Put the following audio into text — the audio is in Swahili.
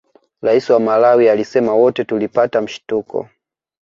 Rais wa Malawi alisema wote tulipata mshituko